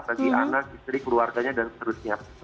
bagi anak istri keluarganya dan seterusnya